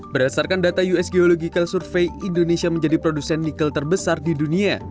berdasarkan data us geological survey indonesia menjadi produsen nikel terbesar di dunia